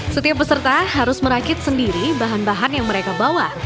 setiap peserta harus merakit sendiri bahan bahan yang mereka bawa